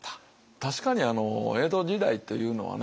確かに江戸時代というのはね